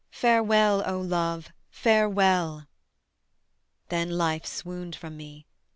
Farewell, O love, farewell." Then life swooned from me.